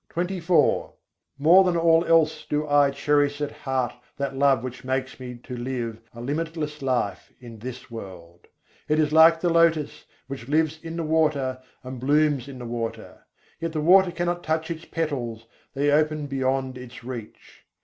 jis se rahani apâr jagat men More than all else do I cherish at heart that love which makes me to live a limitless life in this world. It is like the lotus, which lives in the water and blooms in the water: yet the water cannot touch its petals, they open beyond its reach.